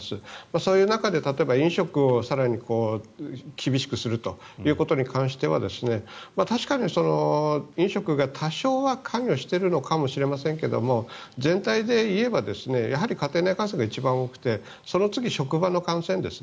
そういう中で例えば、飲食を更に厳しくするということに関しては確かに飲食が多少は関与しているかもしれませんが全体で言えばやはり家庭内感染が一番多くてその次、職場の感染ですね。